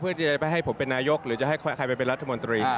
จะไปให้ผมเป็นนายกหรือจะให้ใครไปเป็นรัฐมนตรี